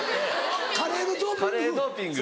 カレーのドーピング。